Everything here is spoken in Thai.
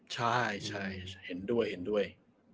ใช่เห็นด้วย